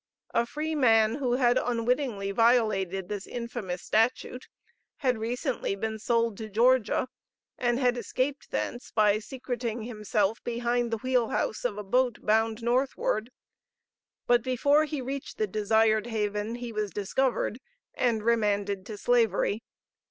A free man, who had unwittingly violated this infamous statute, had recently been sold to Georgia, and had escaped thence by secreting himself behind the wheel house of a boat bound northward; but before he reached the desired haven, he was discovered and remanded to slavery.